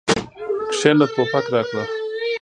کېنه ټوپک راکړه.